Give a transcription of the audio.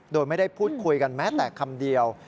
โดยไม่ได้พูดคุยกันแม้แต่คำเดียว